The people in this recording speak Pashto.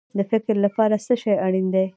د فکر لپاره څه شی اړین دی؟